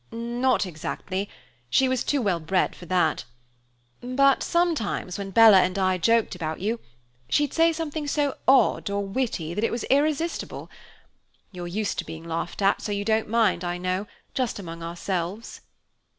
"Not exactly, she was too well bred for that. But sometimes when Bella and I joked about you, she'd say something so odd or witty that it was irresistible. You're used to being laughed at, so you don't mind, I know, just among ourselves."